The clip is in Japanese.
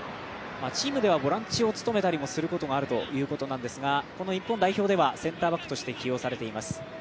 チームではボランチを務めたりすることもあるということですがこの日本代表ではセンターバックとして起用されています。